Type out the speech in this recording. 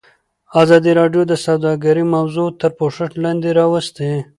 ازادي راډیو د سوداګري موضوع تر پوښښ لاندې راوستې.